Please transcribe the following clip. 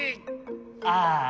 ああ。